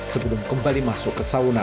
sebelum kembali masuk ke sauna